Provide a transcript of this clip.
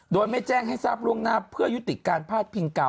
โดยไม่แจ้งให้ทราบล่วงหน้าเพื่อยุติการพาดพิงเก่า